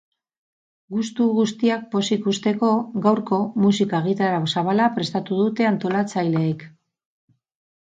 Gustu guztiak pozik uzteko, gaurko, musika egitarau zabala prestatu dute antolatzaileek.